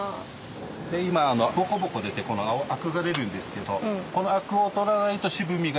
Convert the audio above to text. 今ボコボコ出てアクが出るんですけどこのアクを取らないと渋みが出るんですよ。